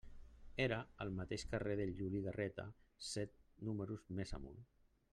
Era al mateix carrer de Juli Garreta set números més amunt.